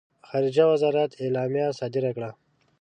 خارجه وزارت اعلامیه صادره کړه.